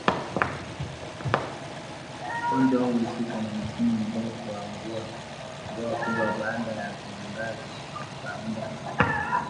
Ugonjwa huu huhusishwa na msimu mrefu wa mvua kubwa baada ya kiangazi cha muda